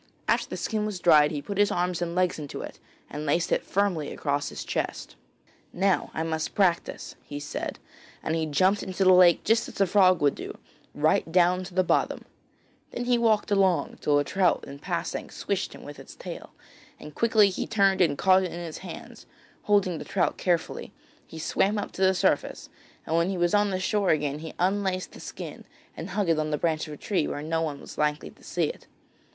After the skin was dried he put his arms and legs into it, and laced it firmly across his chest. 'Now I must practise,' he said, and he jumped into the lake just as a frog would do, right down to the bottom. Then he walked along, till a trout in passing swished him with its tail, and quickly he turned and caught it in his hands. Holding the trout carefully, he swam up to the surface, and when he was on shore again he unlaced the skin and hung it on the branch of a tree, where no one was likely to see it.